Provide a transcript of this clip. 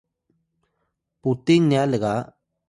puting nya lga